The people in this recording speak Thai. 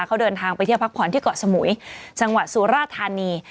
เขาเดินทางไปเที่ยวพักผ่อนที่เกาะสมุยจังหวัดสุราธานี